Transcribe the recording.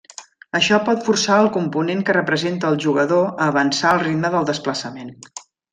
Això pot forçar el component que representa al jugador a avançar al ritme del desplaçament.